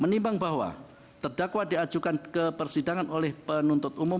menimbang bahwa terdakwa diajukan ke persidangan oleh penuntut umum